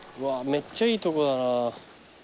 めっちゃいいとこだな。